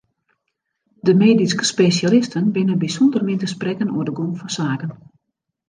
De medysk spesjalisten binne bysûnder min te sprekken oer de gong fan saken.